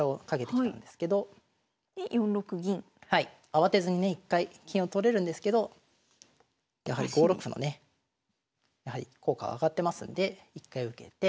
慌てずにね一回金を取れるんですけどやはり５六歩のね効果が上がってますので一回受けて。